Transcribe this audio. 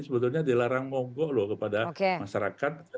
sebetulnya dilarang monggok loh kepada masyarakat